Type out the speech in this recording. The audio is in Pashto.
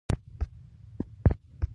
څوک وايي انګريز وګاټه.